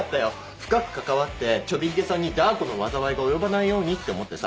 深く関わってちょび髭さんにダー子の災いが及ばないようにって思ってさ。